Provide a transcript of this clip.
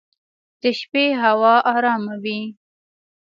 د شپې هوا ارامه وي.